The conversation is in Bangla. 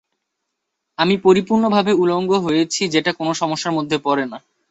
আমি পরিপূর্ণভাবে উলংগ হয়েছি, যেটা কোনো সমস্যার মধ্যে পড়ে না।